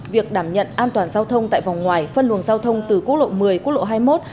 việc đảm nhận an toàn giao thông tại vòng ngoài phân luồng giao thông từ quốc lộ một mươi quốc lộ hai mươi một